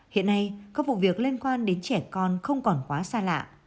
hiện nay các vụ việc liên quan đến trẻ con không còn quá xa lạ